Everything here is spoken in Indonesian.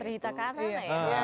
kayak trita karana ya